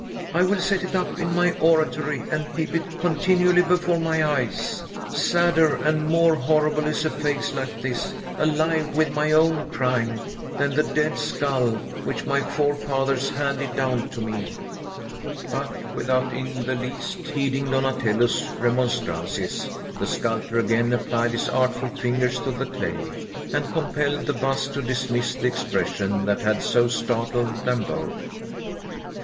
I will set it up in my oratory and keep it continually before my eyes. Sadder and more horrible is a face like this, alive with my own crime, than the dead skull which my forefathers handed down to me!" But, without in the least heeding Donatello's remonstrances, the sculptor again applied his artful fingers to the clay, and compelled the bust to dismiss the expression that had so startled them both.